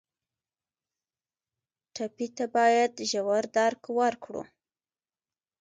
ټپي ته باید ژور درک ورکړو.